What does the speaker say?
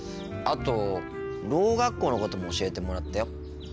あとろう学校のことも教えてもらったよ。